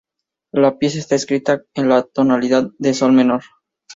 La pieza está escrita en la tonalidad de sol menor.